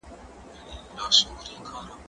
هغه وويل چي کتابتوني کار ضروري دي؟